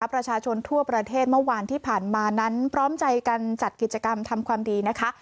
ประชาชนทั่วประเทศเมื่อวานที่ผ่านมานั้นพร้อมใจกันจัดกิจกรรมทำความดีนะคะ